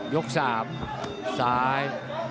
ยก๓สาย